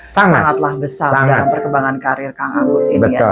sangatlah besar dalam perkembangan karir kang agus ini ya